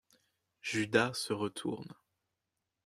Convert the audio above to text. Judas se retourne.